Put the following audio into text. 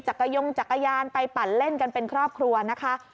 ยงจักรยานไปปั่นเล่นกันเป็นครอบครัวนะคะ